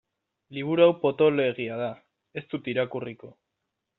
Liburu hau potoloegia da, ez dut irakurriko.